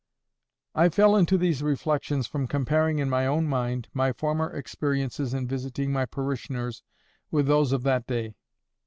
I fell into these reflections from comparing in my own mind my former experiences in visiting my parishioners with those of that day.